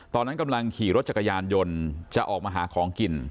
ตอนนั้นกำลังขี่รถจักรยานยนต์จะออกมาหาของกิน